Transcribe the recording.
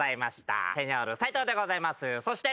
そして。